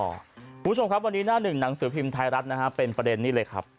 คุณผู้ชมครับวันนี้หน้าหนึ่งหนังสือพิมพ์ไทยรัฐนะฮะเป็นประเด็นนี้เลยครับ